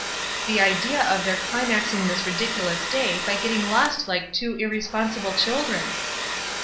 The idea of their climaxing this ridiculous day by getting lost like two irresponsible children